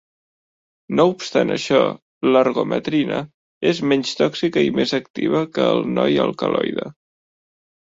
No obstant això, l'ergometrina és menys tòxica i més activa que el noi alcaloide.